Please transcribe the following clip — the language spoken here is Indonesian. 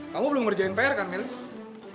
kamu belum ngerjain pr kan meli